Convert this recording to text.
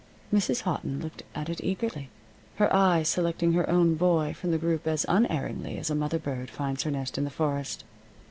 Mrs. Houghton looked at it eagerly, her eye selecting her own boy from the group as unerringly as a mother bird finds her nest in the forest.